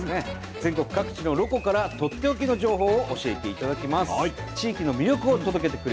全国各地のロコからとっておきの情報を教えていただきます。